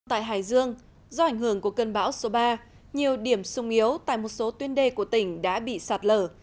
tại hải dương do ảnh hưởng của cơn bão số ba nhiều điểm sung yếu tại một số tuyến đê của tỉnh đã bị sạt lở